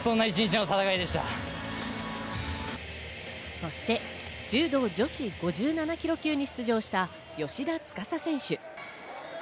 そして柔道・女子５７ｋｇ級に出場した芳田司選手。